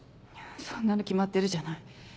そんなの決まってるじゃない。